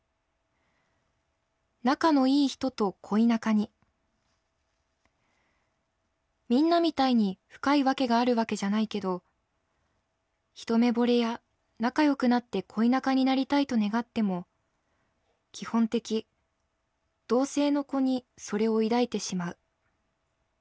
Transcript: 「仲のいい人と恋仲にみんなみたいに深いわけがあるわけじゃないけど一目惚れや仲良くなって恋仲になりたいと願っても基本的同性の子にそれを抱いてしまう。